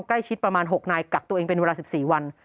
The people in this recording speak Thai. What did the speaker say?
ประมาณ๖นายกักตัวเองเป็นเวลา๑๔วัน